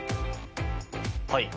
はい。